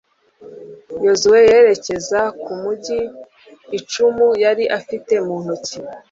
yozuwe yerekeza ku mugi icumu yari afite mu ntoki